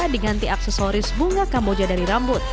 diganti aksesoris bunga kamboja dari rambut